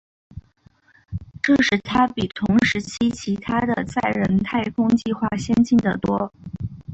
这使它比同时期其它的载人太空计划先进得多。